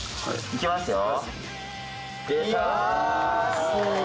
いきますよ？